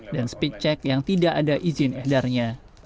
dan speed check yang tidak ada izin edarnya